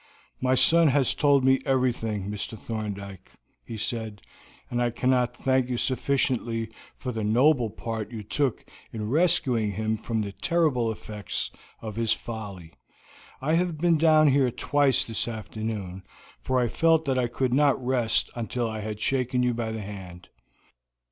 "My son has told me everything, Mr. Thorndyke," he said, "and I cannot thank you sufficiently for the noble part you took in rescuing him from the terrible effects of his folly. I have been down here twice this afternoon, for I felt that I could not rest until I had shaken you by the hand.